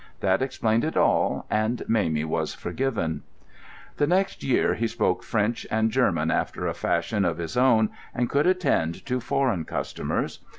That explained it all, and Mamie was forgiven. The next year he spoke French and German after a fashion of his own, and could attend to foreign customers.